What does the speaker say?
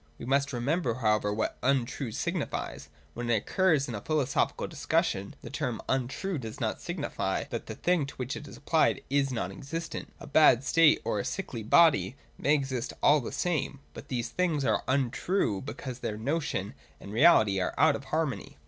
We must remember however what ' untrue ' signifies. When it occurs in a philosophical discussion, the term ' untrue ' does not signify that the thing to which it is applied is non existent. A bad state or a sickly body may exist all the same ; but these things are untrue, because their notion and their reality are out of harmony.